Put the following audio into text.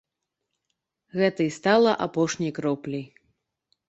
Гэта і стала апошняй кропляй.